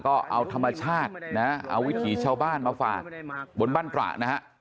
ก็เอาธรรมชาตินะเอาวิถีชาวบ้านมาฝากบนบ้านตระนะฮะ